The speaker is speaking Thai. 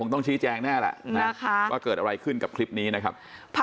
ต้องชี้แจงแน่แหละว่าเกิดอะไรขึ้นกับคลิปนี้นะครับ